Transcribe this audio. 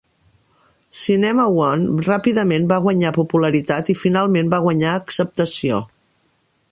Cinema One ràpidament va guanyar popularitat i finalment va guanyar acceptació.